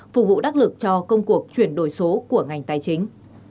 phục vụ đắc lực cho công cuộc chuyển đổi số của ngành tài chính